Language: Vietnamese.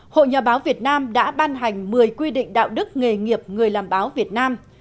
hội nhà báo việt nam đã ban hành một mươi quy định đạo đức nghề nghiệp người làm báo việt nam